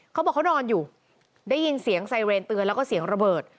เขาบอกเขานอนอยู่ได้ยินเสียงไซเรนเตือนแล้วก็เสียงระเบิด